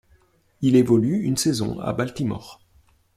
Il évolue une saison à Baltimore.